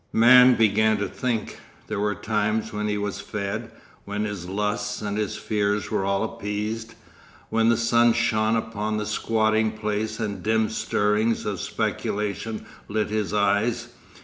Man began to think. There were times when he was fed, when his lusts and his fears were all appeased, when the sun shone upon the squatting place and dim stirrings of speculation lit his eyes.